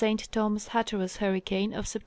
THomas—Harrreras Hurricane oF SEpT.